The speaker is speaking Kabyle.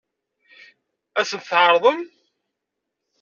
Ad sent-t-tɛeṛḍem?